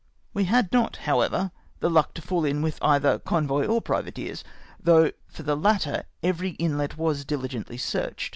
We had not, however, the luck to fall m with either convoy or privateers, though for the latter every inlet was dihgently searched.